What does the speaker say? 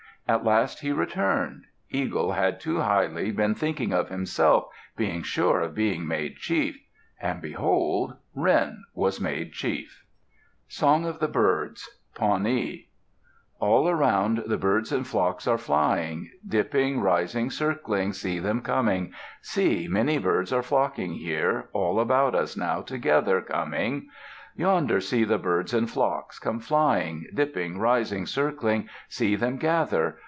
At last he returned. Eagle had too highly been thinking of himself, being sure of being made chief; and behold! Wren was made chief. SONG OF THE BIRDS[H] Pawnee All around the birds in flocks are flying. Dipping, rising, circling, see them coming. See, many birds are flocking here, All about us now together coming. Yonder see the birds in flocks, come flying; Dipping, rising, circling, see them gather.